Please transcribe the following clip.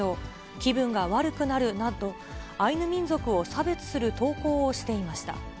気分が悪くなるなど、アイヌ民族を差別する投稿をしていました。